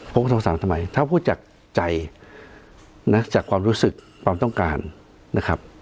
พบโทรศัพท์ทำไมถ้าพูดจากใจจากความรู้สึกความต้องการนะครับ